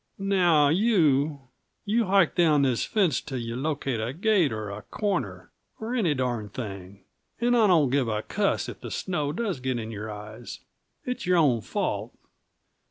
"Now you, you hike down this fence till you locate a gate or a corner, or any darned thing; and I don't give a cuss if the snow does get in your eyes. It's your own fault."